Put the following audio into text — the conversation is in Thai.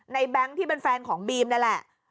แบงค์ที่เป็นแฟนของบีมนั่นแหละ